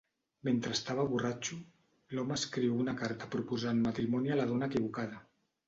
Mentre estava borratxo, l'home escriu una carta proposant matrimoni a la dona equivocada.